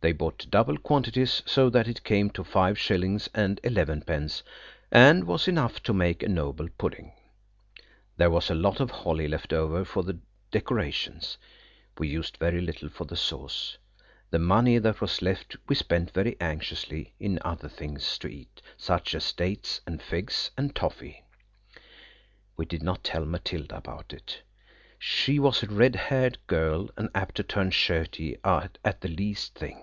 They bought double quantities, so that it came to five shillings and elevenpence, and was enough to make a noble pudding. There was a lot of holly left over for decorations. We used very little for the sauce. The money that was left we spent very anxiously in other things to eat, such as dates and figs and toffee. We did not tell Matilda about it. She was a red haired girl, and apt to turn shirty at the least thing.